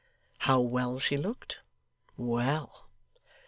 How well she looked? Well?